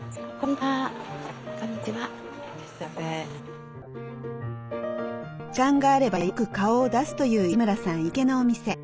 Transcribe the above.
時間があればよく顔を出すという石村さん行きつけのお店。